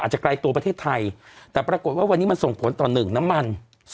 จะไกลตัวประเทศไทยแต่ปรากฏว่าวันนี้มันส่งผลต่อ๑น้ำมัน